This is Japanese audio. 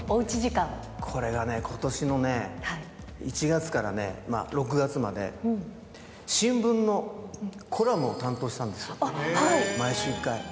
これがね、ことしの１月からね、６月まで、新聞のコラムを担当したんですよ、毎週１回。